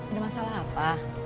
ada masalah apa